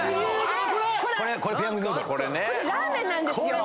これラーメンなんですよ。